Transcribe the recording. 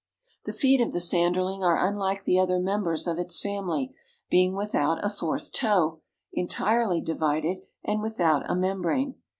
The feet of the Sanderling are unlike the other members of its family, being without a fourth toe, entirely divided and without a membrane.